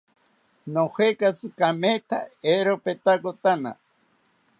Nojekatzi kametha, eero petkotana